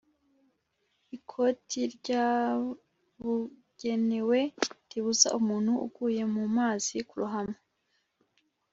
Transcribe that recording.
ikoti ryabugenewe ribuza umuntu uguye mu mazi kurohama;